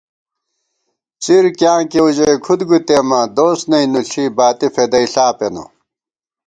څِر کیاں کېؤ ژَئی کھُد گُوتېماں ، دوس نئ نُوݪی ، باتی فېدئیݪا پېنہ